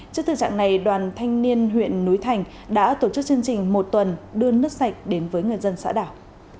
trước thực trạng này đoàn thanh niên huyện núi thành đã tổ chức chương trình một tuần đưa nước sạch đến với người dân xã đảo